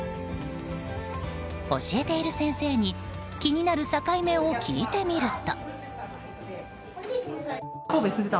教えている先生に気になる境目を聞いてみると。